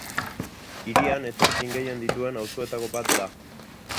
Hirian etorkin gehien dituen auzoetako bat da.